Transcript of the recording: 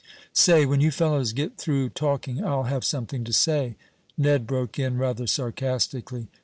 "Say, when you fellows get through talking, I'll have something to say!" Ned broke in, rather sarcastically.